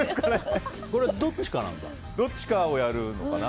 これはどっちかをやるのかな？